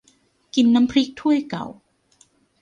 กินน้ำพริกถ้วยเก่า